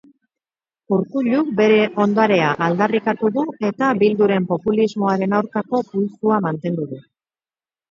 Urkulluk bere ondarea aldarrikatu du eta Bilduren "populismoaren" aurkako pultsua mantendu du